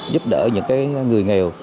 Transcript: giúp đỡ những người nghèo